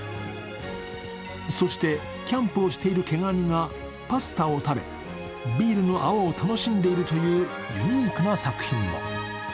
そして、キャンプをしている毛がにがパスタを食べ、ビールの泡を楽しんでいるというユニークな作品も。